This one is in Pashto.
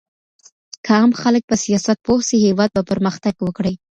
که عام خلګ په سياست پوه سي هيواد به پرمختګ وکړي.